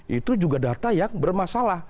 itu juga data yang bermasalah